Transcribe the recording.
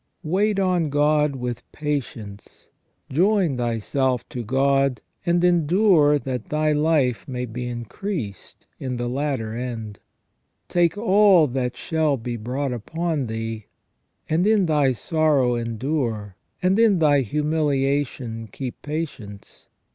Wait on God with patience : join thyself to God, and endure, that thy life may be increased in the latter end. Take all that shall be brought upon thee : and in thy sorrow endure, and in thy humilia tion keep patience.